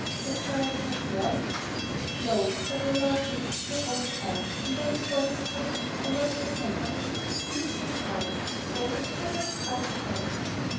"The child is not yours." "No, but I love him as my own son. When I saw him struck I lost my temper and seized the policeman's arm so that he could not strike again."